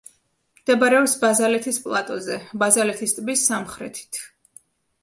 მდებარეობს ბაზალეთის პლატოზე, ბაზალეთის ტბის სამხრეთით.